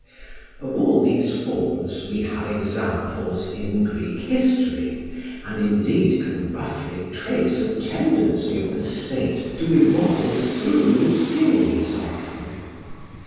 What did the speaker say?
Of all these forms we have examples in Greek history, and indeed can roughly trace a tendency of the state to evolve through the series of them.